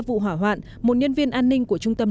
vụ hỏa hoạn một nhân viên an ninh của trung tâm